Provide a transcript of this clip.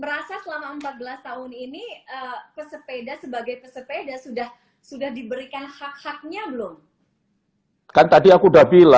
sebagai pesepeda sebagai pesepeda sudah diberikan hak haknya belum